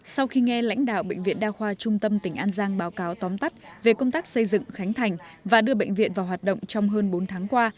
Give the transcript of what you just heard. sau khi nghe lãnh đạo bệnh viện đa khoa trung tâm tỉnh an giang báo cáo tóm tắt về công tác xây dựng khánh thành và đưa bệnh viện vào hoạt động trong hơn bốn tháng qua